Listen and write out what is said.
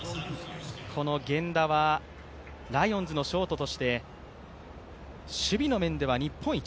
源田はライオンズのショートとして、守備の面では日本一。